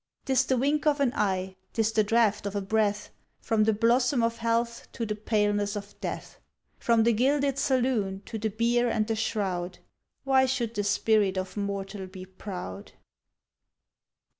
'Tis the wink of an eye, 't is the draught of a breath, From the blossom of health to the paleness of death, From the gilded saloon to the bier and the shroud; why should the spirit of mortal be proud?